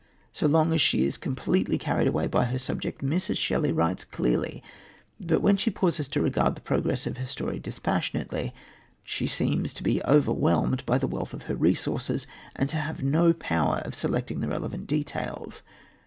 So long as she is completely carried away by her subject Mrs. Shelley writes clearly, but when she pauses to regard the progress of her story dispassionately, she seems to be overwhelmed by the wealth of her resources and to have no power of selecting the relevant details.